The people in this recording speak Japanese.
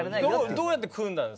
どうやって組んだの？